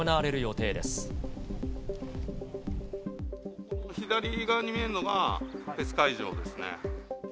ここ、左側に見えるのがフェス会場ですね。